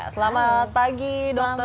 selamat pagi dokter